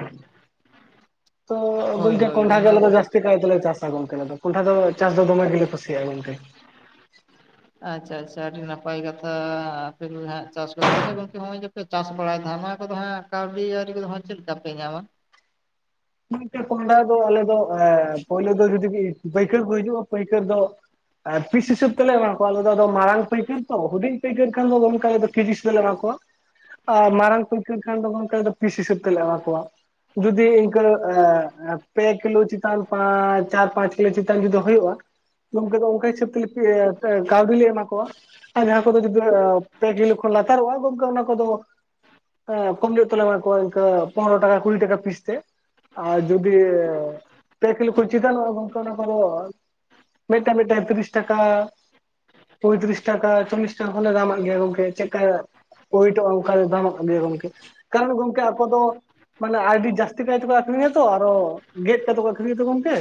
ᱛᱚ ᱦᱳᱭ ᱜᱚᱢᱠᱮ, ᱦᱳᱭ ᱠᱚᱸᱰᱷᱟ ᱜᱮ ᱚᱱᱟ ᱟᱞᱮ ᱫᱚ ᱡᱟᱥᱛᱤ ᱠᱟᱭ ᱫᱚᱞᱮ ᱪᱟᱥᱟ ᱜᱚᱝᱠᱮ ᱟᱞᱮ ᱫᱚ ᱾ ᱠᱚᱸᱰᱷᱟ ᱫᱚ ᱪᱟᱥ ᱫᱚᱢᱮ ᱜᱮᱞᱮ ᱠᱩᱥᱤᱭᱟᱜᱼᱟ, ᱜᱚᱝᱠᱮ᱾ ᱟᱪᱪᱷᱟ-ᱪᱷᱟ, ᱟᱰᱤ ᱱᱟᱯᱟᱭ ᱠᱟᱛᱷᱟ ᱟᱯᱮ ᱜᱮᱹ ᱦᱟᱸᱜ ᱪᱟᱥ ᱯᱮᱫᱚ, ᱟᱪᱷᱟ ᱜᱚᱝᱠᱮ ᱦᱚᱸᱜᱼᱚᱭ ᱡᱮ ᱯᱮ ᱪᱟᱥ ᱵᱟᱲᱟᱭᱫᱟ ᱦᱟᱸᱜ, ᱱᱚᱣᱟ ᱠᱚᱫᱚ ᱦᱟᱸᱜ ᱠᱟᱣᱰᱤ-ᱟᱹᱨᱤ ᱠᱚᱫᱚ ᱦᱟᱸᱜ ᱪᱮᱜ ᱞᱮᱠᱟ ᱯᱮ ᱧᱟᱢᱟ? ᱛᱤᱱᱴᱮᱹ ᱠᱚᱸᱰᱟ ᱫᱚ, ᱟᱞᱮ ᱫᱚ ᱮᱸ ᱯᱳᱭᱞᱳ ᱫᱚ ᱡᱩᱫᱤ ᱵᱤ ᱯᱟᱹᱭᱠᱟᱹᱨ ᱠᱚ ᱦᱤᱡᱩᱜᱼᱟ, ᱯᱟᱹᱭᱠᱟᱹᱨ ᱫᱚ ᱟᱨ ᱯᱤᱥ ᱦᱤᱥᱟᱹᱵᱽ ᱛᱮᱞᱮ ᱮᱢᱟ ᱠᱚᱣᱟ ᱟᱞᱮ ᱫᱚ, ᱟᱫᱚ ᱢᱟᱲᱟᱝ ᱯᱟᱹᱭᱠᱟᱹᱨ ᱛᱚ, ᱦᱩᱰᱤᱧ ᱯᱟᱹᱭᱟᱹᱨ ᱠᱷᱟᱱ ᱫᱚ, ᱜᱚᱝᱠᱟ ᱫᱚ ᱠᱤᱡᱤ ᱦᱤᱥᱟᱹ ᱞᱮ ᱮᱢᱟ ᱠᱚᱣᱟ᱾ ᱟᱨ ᱢᱟᱨᱟᱝ ᱯᱟᱹᱭᱠᱟᱹᱨ ᱠᱷᱟᱱ ᱫᱚ, ᱜᱚᱝᱠᱮ ᱫᱚ ᱯᱤᱥ ᱦᱤᱥᱟᱹᱵᱽ ᱛᱮᱞᱮ ᱮᱢᱟ ᱠᱚᱣᱟ᱾ ᱡᱩᱫᱤ ᱠᱟᱹ ᱮᱸ ᱮ ᱯᱮ ᱠᱤᱞᱳ ᱪᱮᱛᱟᱱ ᱯᱟᱸ, ᱪᱟᱨ, ᱯᱟᱸᱪ ᱠᱤᱞᱳ ᱪᱮᱛᱟᱱ ᱡᱩᱫᱤ ᱦᱩᱭᱩᱜᱼᱟ, ᱜᱚᱝᱠᱮ-ᱜᱚᱝᱠᱮ, ᱦᱤᱥᱟᱹᱵᱽ ᱛᱮᱞᱮ, ᱯᱤ ᱮ ᱠᱟ, ᱠᱟᱣᱰᱤ ᱞᱮ ᱮᱢᱟ ᱠᱚᱣᱟ᱾ ᱟ ᱡᱟᱦᱟᱸ ᱠᱚᱫᱚ ᱡᱚᱫᱤ ᱟ ᱯᱮ ᱠᱤᱞᱳ ᱠᱷᱚᱱ ᱞᱟᱛᱟᱨᱚᱜᱼᱟ, ᱜᱚᱝᱠᱮ! ᱚᱱᱟ ᱠᱚᱫᱚ ᱮ ᱠᱚᱢ ᱧᱚᱜ ᱛᱮᱞᱮ ᱮᱢᱟᱠᱚᱣᱟ, ᱤᱝᱠᱟᱹ ᱯᱚᱱᱨᱚ ᱴᱟᱠᱟ, ᱠᱩᱲᱤ ᱴᱟᱠᱟ ᱯᱤᱥ ᱛᱮ᱾ ᱟ ᱡᱩᱫᱤ ᱯᱮ ᱠᱤᱞᱳ ᱠᱷᱚᱡ ᱪᱮᱛᱟᱱᱚᱜᱼᱟ, ᱜᱚᱝᱠᱮ ᱚᱱᱟ ᱠᱚᱫᱚ ᱢᱤᱜᱴᱟ-ᱢᱤᱜᱴᱟ ᱛᱤᱨᱤᱥ ᱴᱟᱠᱟ᱾ ᱯᱚᱸᱭᱛᱨᱤᱥ ᱴᱟᱠᱟ, ᱪᱚᱞᱞᱤᱥ ᱴᱟ ᱦᱚᱸᱞᱮ ᱫᱟᱢᱟᱜ ᱜᱮᱭᱟ ᱜᱚᱝᱠᱮ᱾ ᱪᱮᱜ ᱠᱟ ᱳᱭᱮᱴᱚᱜᱼᱟ ᱚᱝᱠᱟ ᱜᱮ ᱫᱟᱢᱟᱠᱟ ᱞᱟᱹᱭᱟ ᱜᱚᱝᱠᱮ᱾ ᱠᱟᱨᱚᱱ ᱜᱚᱝᱠᱮ, ᱟᱠᱚ ᱫᱚ ᱢᱟᱱᱮ ᱟᱭᱰᱤ ᱡᱟᱹᱥᱛᱤ ᱠᱟᱭᱛᱮ ᱠᱚ ᱮᱸᱻ ᱛᱚ ᱟᱨᱚ ᱜᱮᱫ ᱠᱟᱛᱮ ᱠᱚ ᱟᱠᱷᱨᱤᱧᱟᱛᱚ ᱜᱚᱝᱠᱮ᱾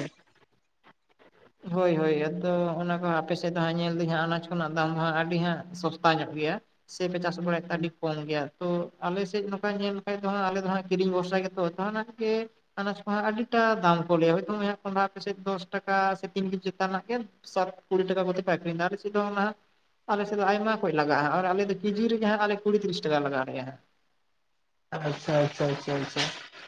ᱦᱳᱭ-ᱦᱳᱭ, ᱟᱫᱚ ᱚᱱᱟ ᱠᱚ ᱟᱯᱮ ᱥᱮᱜ ᱫᱚ ᱦᱟᱸᱜ, ᱧᱮᱞ ᱫᱤᱧ ᱦᱟᱸᱜ, ᱟᱱᱟᱡᱽ ᱠᱚᱱᱟᱜ ᱫᱟᱢ ᱫᱚ ᱦᱟᱸᱜ, ᱟᱰᱤ ᱦᱟᱸᱜ ᱥᱚᱥᱛᱟ ᱧᱚᱜ ᱜᱮᱭᱟ! ᱥᱮ ᱯᱮ ᱪᱟᱥ ᱵᱟᱲᱟᱭᱮᱫ ᱛᱮ ᱟᱰᱤ ᱠᱚᱢ ᱜᱮᱭᱟ ᱛᱚ ᱟᱞᱮᱥᱮᱡ ᱱᱚᱠᱟ ᱧᱮᱞ ᱞᱮᱠᱷᱟᱡ ᱫᱚ ᱦᱟᱸᱜ, ᱟᱞᱮ ᱫᱚ ᱦᱟᱸᱜ ᱠᱤᱨᱤᱧ ᱵᱷᱚᱨᱥᱟ ᱜᱮᱛᱚ! ᱛᱟᱦᱟᱱᱟᱜ ᱜᱮ ᱟᱱᱟᱪ ᱠᱚᱦᱟᱸᱜ ᱟᱹᱰᱤᱴᱟ ᱫᱟᱢ ᱠᱚ ᱞᱟᱹᱭᱟ, ᱦᱚᱭᱛᱳ ᱢᱟᱭᱟᱝ ᱠᱚᱸᱰᱷᱟ ᱟᱯᱮ ᱥᱮᱡ ᱫᱚᱥ ᱴᱟᱠᱟ ᱥᱮ ᱛᱤᱱ ᱠᱤᱡᱽ ᱪᱮᱛᱟᱱ ᱱᱟᱜ ᱜᱮ ᱥᱟᱛ, ᱠᱩᱲᱤ ᱴᱟᱠᱟ ᱠᱚᱛᱮ ᱯᱮ ᱟᱹᱠᱷᱨᱤᱧ ᱫᱟ! ᱟᱞᱮ ᱥᱮᱡ ᱫᱚ ᱚᱱᱟ ᱟᱞᱮᱥᱮᱡ ᱫᱚ ᱟᱭᱢᱟ ᱠᱚᱡ ᱞᱟᱜᱟᱜᱼᱟ ᱟᱨ ᱟᱞᱮ ᱫᱚ, ᱠᱤᱡᱤ ᱨᱮᱜᱮ ᱦᱟᱸᱜ ᱟᱞᱮ ᱠᱩᱲᱤ, ᱛᱤᱨᱤᱥ ᱴᱟᱠᱟ ᱞᱟᱜᱟᱣ ᱞᱮᱭᱟ ᱦᱟᱸᱜ! ᱟᱪᱪᱷᱟ-ᱪᱷᱟ-ᱪᱷᱟ-ᱪᱷᱟ!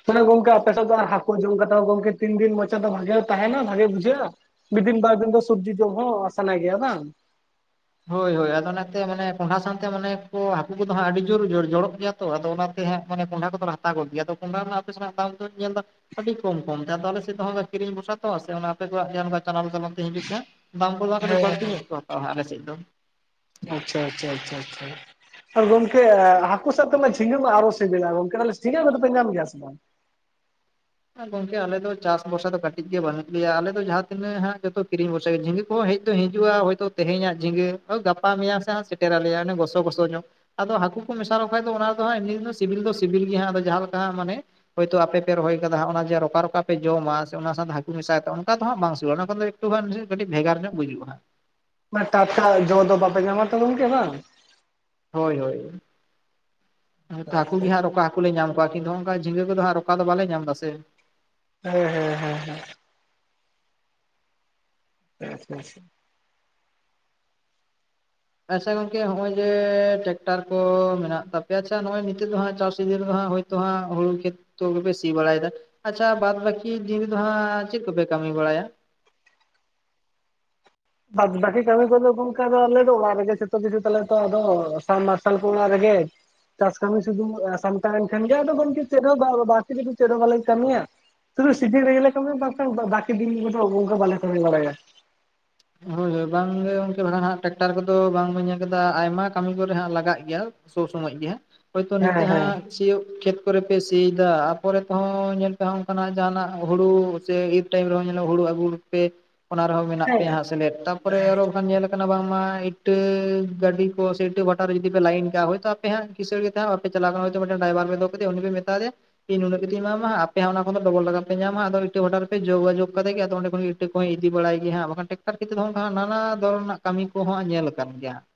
ᱛᱟᱞᱮ ᱜᱚᱝᱠᱮ, ᱟᱯᱮ ᱥᱮᱜ ᱫᱚ ᱟ ᱦᱟᱠᱳ ᱡᱚᱢ ᱠᱟᱛᱮ ᱦᱚ, ᱜᱚᱝᱠᱮ ᱛᱤᱱ ᱫᱤᱱ ᱢᱚᱪᱟ ᱫᱚ ᱵᱷᱟᱜᱮ ᱛᱟᱦᱮᱱᱟ, ᱵᱷᱟᱜᱮ ᱵᱩᱡᱷᱟᱹᱜᱼᱟ? ᱢᱤ ᱫᱤᱱ, ᱵᱟᱨ ᱫᱤᱱ ᱫᱚ ᱥᱚᱵᱽᱡᱤ ᱡᱚᱢ ᱦᱚᱸ ᱥᱟᱱᱟ ᱜᱮᱹᱭᱟ ᱵᱟᱝ? ᱦᱳᱭ-ᱦᱳᱭ, ᱟᱫᱚ ᱱᱟᱛᱮ ᱢᱟᱱᱮ, ᱠᱚᱸᱰᱷᱟ ᱥᱟᱶᱛᱮ ᱢᱟᱱᱮ ᱦᱟᱠᱩ ᱠᱚᱫᱚ ᱦᱟᱸᱜ, ᱟᱹᱰᱤ ᱡᱳᱨ-ᱡᱳᱨ ᱡᱚᱲᱚᱜ ᱜᱮᱭᱟ! ᱛᱚ ᱟᱫᱚ ᱚᱱᱛᱮ ᱦᱟᱸᱜ ᱢᱟᱱᱮ ᱠᱚᱸᱰᱷᱟ ᱠᱚᱫᱚᱞᱮ ᱦᱟᱛᱟᱣ ᱜᱚᱫ ᱜᱮᱭᱟ᱾ ᱟᱫᱚ ᱠᱚᱸᱰᱟ ᱨᱮᱱᱟᱜ ᱟᱯᱮᱥᱮᱱᱟᱜ ᱫᱟᱢ ᱫᱚᱹᱧ ᱧᱮᱞ ᱫᱟ ᱟᱹᱰᱤ ᱠᱚᱢ-ᱠᱚᱢ ᱛᱮ ᱟᱫᱚ ᱟᱞᱮ ᱥᱮᱜ ᱫᱚ ᱦᱟᱸᱜ ᱞᱮ ᱠᱤᱨᱤᱧ ᱵᱷᱚᱨᱥᱟ ᱛᱚ ᱥᱮ ᱚᱱᱟ ᱟᱯᱮ ᱠᱚᱣᱟᱜ ᱜᱮ ᱡᱟᱦᱟᱸ ᱚᱱᱠᱟ ᱪᱟᱱᱟᱞ ᱪᱟᱞᱚᱢ ᱛᱮ ᱦᱤᱡᱩᱜ ᱛᱮ ᱫᱟᱢ ᱠᱚᱫᱚ ᱶᱟᱜ ᱠᱟᱴᱤᱜ ᱦᱮᱸ ᱵᱟᱲᱛᱤ ᱧᱚᱜ ᱠᱚ ᱦᱟᱛᱟᱣᱟ ᱦᱟᱸᱜ ᱟᱞᱮᱥᱮᱡ ᱫᱚ᱾ ᱟᱪᱟ-ᱪᱟ-ᱪᱟ-ᱪᱟ᱾ ᱚ ᱜᱚᱢᱠᱮ, ᱦᱟᱠᱩ ᱥᱟᱛᱮᱢᱟ ᱡᱷᱤᱸᱜᱟᱹ ᱢᱟ ᱟᱨᱚ ᱥᱮᱹᱵᱮᱹᱞᱟ, ᱜᱚᱝᱠᱮ, ᱛᱷᱟᱞᱮ ᱡᱷᱤᱸᱜᱟᱹ ᱫᱚ ᱫᱚᱯᱮ ᱧᱟᱢ ᱜᱮᱭᱟ ᱥᱮ ᱵᱟᱝ? ᱟ ᱜᱚᱝᱠᱮ, ᱟᱞᱮ ᱫᱚ ᱪᱟᱥ ᱵᱚᱨᱥᱟ ᱫᱚ ᱠᱟᱹᱴᱤᱡ ᱜᱮ ᱵᱟᱹᱱᱩᱜ ᱞᱮᱭᱟ, ᱟᱞᱮ ᱫᱚ ᱡᱟᱦᱟᱸ ᱛᱤᱱᱟᱹᱜ ᱦᱟᱸᱜ, ᱡᱚᱛᱚ ᱠᱤᱨᱤᱧ ᱵᱷᱚᱨᱥᱟ ᱜᱮ! ᱡᱷᱤᱸᱜᱟᱹ ᱠᱚ ᱦᱮᱡ ᱫᱚ ᱦᱤᱸᱡᱩᱜᱼᱟ ᱦᱚᱭᱛᱳ, ᱛᱮᱦᱮᱧᱟᱜ ᱡᱷᱤᱸᱜᱟᱹ ᱦᱚ, ᱜᱟᱯᱟ, ᱢᱮᱭᱟᱝ ᱥᱮ ᱦᱚᱸ ᱥᱮᱴᱮᱨᱟᱞᱮᱭᱟ, ᱚᱱᱮ ᱜᱚᱥᱚ-ᱜᱚᱥᱚ ᱧᱚᱜ᱾ ᱟᱫᱚ ᱦᱟᱠᱩ ᱠᱚ ᱢᱮᱥᱟᱞᱠᱚ ᱠᱷᱟᱡ ᱫᱚ, ᱚᱱᱟ ᱫᱚ ᱦᱟᱸᱜ, ᱮᱢᱱᱤ ᱨᱮᱫᱚ ᱥᱤᱵᱤᱞ ᱫᱚ, ᱥᱤᱵᱤᱞ ᱜᱮ ᱦᱟᱸᱜ ᱟᱫᱚ ᱡᱟᱦᱟᱸ ᱞᱮᱠᱟ ᱦᱟᱸᱜ ᱢᱟᱱᱮ ᱦᱚᱭ ᱛᱳ ᱟᱯᱮ, ᱯᱮ ᱨᱚᱦᱚᱭ ᱠᱟᱫᱟ, ᱚᱱᱟ ᱡᱮ ᱨᱚᱠᱟ-ᱨᱚᱠᱟ ᱯᱮ ᱡᱚᱢᱟ ᱥᱮ ᱚᱱᱟ ᱥᱟᱛᱮ ᱦᱟᱠᱩ ᱢᱮᱥᱟ ᱠᱟᱜ, ᱚᱝᱠᱟ ᱫᱚ ᱦᱟᱸᱜ ᱵᱟᱝ ᱥᱤᱵᱤᱞ, ᱚᱱᱟ ᱠᱷᱚᱱ ᱫᱚ ᱮᱠᱴᱩ ᱜᱟᱱ ᱨᱤ ᱠᱟᱹᱴᱤᱜ ᱵᱷᱮᱜᱟᱨ ᱧᱚᱜ ᱵᱩᱡᱩᱜᱼᱟᱸᱦᱟᱜ᱾ ᱢᱟ ᱴᱟᱴᱠᱟ ᱡᱚ ᱫᱚ ᱵᱟᱯᱮ ᱧᱟᱢᱟ ᱛᱚ ᱜᱚᱝᱠᱮ, ᱵᱟᱝ? ᱦᱳᱭ, ᱦᱳᱭ, ᱛᱟᱠᱩ ᱜᱮ ᱦᱟᱸᱜ ᱦᱮᱸ ᱨᱚᱠᱟ ᱠᱩᱞᱮ ᱧᱟᱢ ᱠᱚᱣᱟ ᱠᱤᱱᱛᱩ ᱦᱚᱝᱠᱟ ᱡᱤᱸᱜᱟᱹ ᱠᱚᱫᱚ ᱦᱟᱸᱜ, ᱨᱚᱠᱟ ᱫᱚ ᱵᱟᱞᱮ ᱧᱟᱢ ᱫᱟ ᱥᱮ! ᱦᱮᱸ, ᱦᱮᱸ, ᱦᱮᱸ, ᱦᱮᱸ! ᱟᱪᱷᱟ ᱟᱪᱷᱟ ᱟᱪᱪᱷᱟ ᱜᱚᱝᱠᱮ ᱦᱚᱜ ᱚᱭ ᱡᱮ ᱴᱮᱠᱴᱟᱨ ᱠᱚ ᱢᱮᱱᱟᱜ ᱛᱟᱯᱮ ᱟᱪᱪᱷᱟ ᱱᱚᱜ ᱚᱭ ᱱᱤᱛᱳᱜ ᱫᱚ ᱦᱟᱸᱜ ᱪᱟᱥ ᱥᱤᱡᱟᱹᱱ ᱫᱚ ᱦᱟᱸᱜ ᱦᱳᱭ ᱛᱚ ᱦᱟᱸᱜ ᱦᱩᱲᱩ ᱠᱷᱮᱛ ᱛᱚ ᱠᱚ ᱜᱮᱯᱮ ᱥᱤ ᱵᱟᱲᱟᱭᱮᱫᱟ, ᱟᱪᱪᱷᱟ ᱵᱟᱫᱽ ᱵᱟᱹᱠᱤ ᱫᱤᱱ ᱨᱮᱫᱚ ᱦᱟᱸᱜ ᱪᱮᱫ ᱠᱚᱯᱮ ᱠᱟᱹᱢᱤ ᱵᱟᱲᱟᱭᱟ? ᱵᱟᱫ ᱵᱟᱹᱠᱤ ᱠᱟᱹᱢᱤ ᱠᱚᱫᱚ ᱜᱚᱝᱠᱮ ᱫᱚ ᱟᱞᱮ ᱫᱚ ᱚᱲᱟᱜ ᱨᱮᱜᱮ ᱡᱚᱛᱚ ᱠᱤᱪᱷᱩ ᱛᱟᱞᱮ ᱛᱚ ᱟᱫᱚ ᱥᱟᱵ ᱢᱟᱨᱥᱟᱞ ᱠᱚ ᱚᱲᱟᱜ ᱨᱮᱜᱮ᱾ ᱪᱟᱥ ᱠᱟᱹᱢᱤ ᱥᱩᱫᱩ ᱥᱟᱢᱴᱟ ᱣᱮᱱ ᱠᱷᱟᱱ ᱜᱮ ᱟᱫᱚ ᱜᱚᱝᱠᱮ ᱪᱮᱫ ᱦᱚᱸ ᱵᱟ ᱵᱟᱲᱛᱤ ᱫᱤᱱ ᱪᱮᱫ ᱦᱚᱸ ᱠᱟᱹᱢᱤᱭᱟ, ᱥᱩᱫᱩ ᱥᱤᱡᱤᱱ ᱨᱮᱜᱮ ᱞᱮ ᱠᱟᱹᱢᱤᱭᱟ ᱵᱟᱝᱠᱷᱟᱱ ᱵᱟᱠᱤ ᱫᱤᱱ ᱠᱚ ᱫᱚ ᱵᱟᱞᱮ ᱠᱟᱹᱢᱤ ᱵᱟᱲᱟᱭᱟ᱾ ᱦᱳᱭ ᱦᱳᱭ ᱵᱟᱝᱜᱮ ᱜᱚᱝᱠᱮ ᱵᱷᱟᱲᱟ ᱦᱟᱸᱜ ᱴᱮᱠᱠᱴᱟᱨ ᱠᱚᱫᱚ ᱵᱟᱝ ᱵᱮᱱ ᱧᱮᱞ ᱠᱟᱫᱟ ᱟᱭᱢᱟ ᱠᱟᱹᱢᱤ ᱠᱚᱨᱮ ᱦᱟᱸᱜ ᱞᱟᱜᱟᱜ ᱜᱮᱭᱟ, ᱥᱳᱜ ᱥᱚᱢᱚᱭ ᱜᱮ ᱦᱟᱸᱜ ᱦᱳᱭᱛᱚ ᱦᱮᱸ ᱱᱤᱛᱚᱜ ᱦᱮᱸ ᱦᱟᱸᱜ ᱪᱤᱭᱚᱜ ᱠᱷᱮᱛ ᱠᱚᱨᱮ ᱯᱮ ᱥᱤᱭ ᱫᱟᱜ ᱟᱨᱯᱚᱨᱮ ᱛᱮᱦᱚᱸ ᱧᱮᱞ ᱯᱮ ᱦᱚᱸ ᱚᱱᱠᱟᱱᱟᱜ ᱡᱟᱦᱟᱱᱟᱜ ᱦᱩᱲᱩ ᱥᱮ ᱤᱨ ᱴᱟᱭᱤᱢ ᱨᱮᱦᱚᱸ ᱧᱮᱞᱚᱜ ᱦᱩᱲᱩ ᱟᱹᱜᱩ, ᱯᱮ ᱚᱱᱟ ᱨᱮᱦᱚᱸ ᱢᱮᱱᱟᱜ ᱦᱮᱸ ᱯᱮᱭᱟ ᱦᱟᱸᱜ ᱥᱮᱞᱮᱫ ᱛᱟᱨᱯᱚᱨᱮ ᱟᱨᱚ ᱚᱠᱟ ᱧᱮᱞ ᱟᱠᱟᱱᱟ ᱵᱟᱝᱢᱟ ᱤᱴᱟᱹ ᱜᱟᱹᱰᱤ ᱠᱚ ᱥᱮ ᱤᱴᱟᱹ ᱵᱷᱟᱴᱟ ᱨᱮ ᱡᱩᱫᱤ ᱯᱮ ᱞᱟᱭᱤᱱ ᱠᱟᱜ-ᱟ ᱦᱳᱭ ᱛᱚ ᱟᱯᱮ ᱦᱟᱸᱜ ᱠᱤᱥᱟᱹᱬ ᱜᱮᱛᱮ ᱦᱟᱜ ᱵᱟᱯᱮ ᱪᱞᱟᱣᱟ ᱠᱟᱱᱟ ᱦᱳᱭᱛᱚ ᱢᱮᱴᱮᱱ ᱰᱟᱭᱵᱟᱨ ᱯᱮ ᱫᱚᱦᱚ ᱠᱮᱫᱮᱭᱟ ᱩᱱᱤ ᱯᱮ ᱢᱮᱛᱟ ᱫᱮᱭᱟ ᱤᱧ ᱱᱩᱱᱟᱹᱜ ᱠᱟᱛᱮᱧ ᱮᱢᱟᱢᱟ ᱦᱟᱜ ᱟᱯᱮ ᱦᱚᱸᱜ ᱚᱱᱟ ᱠᱷᱚᱱ ᱨᱮᱫᱚ ᱰᱚᱵᱚᱞ ᱴᱟᱠᱟ ᱯᱮ ᱧᱟᱢᱟ ᱟᱫᱚ ᱤᱴᱟᱹ ᱵᱷᱟᱴᱟ ᱨᱮ ᱯᱮ ᱡᱳᱜᱟᱡᱳᱜᱽ ᱠᱟᱫᱮ ᱜᱮ ᱟᱫᱚ ᱚᱸᱰᱮ ᱠᱷᱚᱱ ᱴᱟᱹ ᱠᱚᱦᱚᱸᱭ ᱤᱫᱤ ᱵᱟᱲᱟᱭ ᱜᱮᱭᱟ ᱦᱟᱸᱜ ᱵᱟᱠᱷᱟᱱ ᱴᱮᱠᱴᱟᱨ ᱠᱮᱛᱤ ᱫᱚ ᱦᱟᱸᱜ ᱱᱟᱱᱟ ᱫᱷᱚᱨᱚ ᱨᱮᱱᱟᱜ ᱠᱟᱹᱢᱤ ᱠᱚᱦᱟᱸᱜ ᱧᱮᱞ ᱟᱠᱟᱱ ᱜᱮᱭᱟ᱾